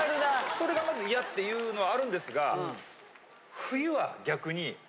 それがまずイヤっていうのあるんですが。